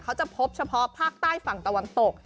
เขาจะพบเฉพาะภาคใต้ฝั่งตะวันตก